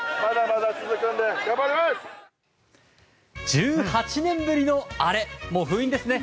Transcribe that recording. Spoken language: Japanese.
１８年ぶりのアレ、もう封印ですね。